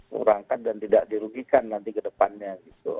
kurangkan dan tidak dirugikan nanti kedepannya